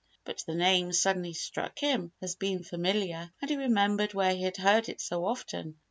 But the name suddenly struck him as being familiar and he remembered where he had heard it so often.